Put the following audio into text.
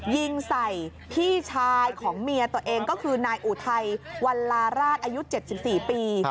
ยิงใส่พี่ชายของเมียตัวเองก็คือนายอุทัยวันลาราชอายุ๗๔ปี